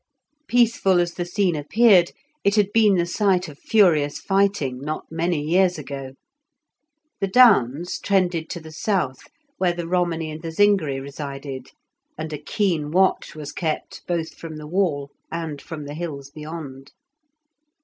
Peaceful as the scene appeared, it had been the site of furious fighting not many years ago. The Downs trended to the south, where the Romany and the Zingari resided, and a keen watch was kept both from the wall and from the hills beyond.